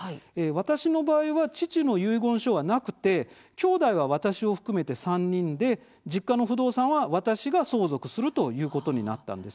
私の場合は父の遺言書はなくてきょうだいは私を含めて３人で実家の不動産は私が相続するということになったんです。